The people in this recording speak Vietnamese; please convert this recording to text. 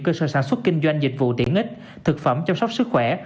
cơ sở sản xuất kinh doanh dịch vụ tiện ích thực phẩm chăm sóc sức khỏe